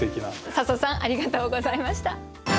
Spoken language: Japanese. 笹さんありがとうございました。